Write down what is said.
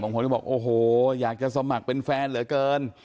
คนก็บอกโอ้โหอยากจะสมัครเป็นแฟนเหลือเกิน